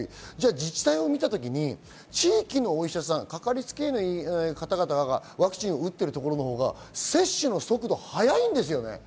自治体を見た時に地域のお医者さん、かかりつけ医いの方々がワクチンを打っているところのほうが接種の速度が早いんですよね。